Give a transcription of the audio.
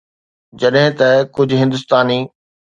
جڏهن ته ڪجهه هندستاني